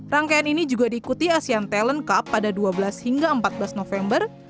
rangkaian ini juga diikuti asean talent cup pada dua belas hingga empat belas november